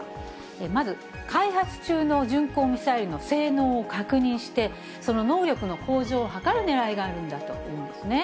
まず開発中の巡航ミサイルの性能を確認して、その能力の向上を図るねらいがあるんだというんですね。